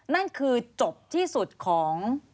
นั่นคือจบที่สุดของ